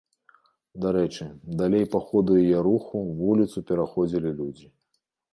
Дарэчы, далей па ходу яе руху вуліцу пераходзілі людзі.